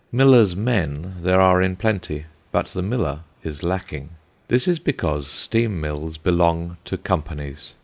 Millers' men there are in plenty, but the miller is lacking. This is because steam mills belong to companies.